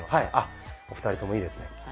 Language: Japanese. お二人ともいいですね。